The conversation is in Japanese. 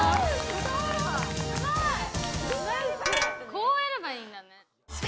こうやればいいんだね。